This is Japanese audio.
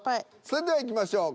それではいきましょう。